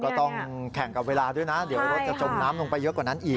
ต้องแข่งกับเวลาด้วยนะเดี๋ยวรถจะจมน้ำลงไปเยอะกว่านั้นอีก